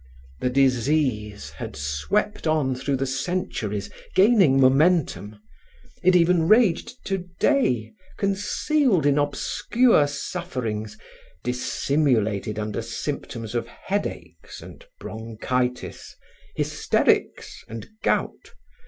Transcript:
The disease had swept on through the centuries gaining momentum. It even raged today, concealed in obscure sufferings, dissimulated under symptoms of headaches and bronchitis, hysterics and gout.